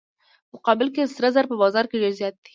په مقابل کې سره زر په بازار کې ډیر زیات دي.